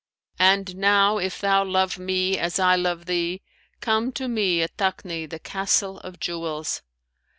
And now, if thou love me as I love thee, come to me at Takni, the Castle of Jewels.'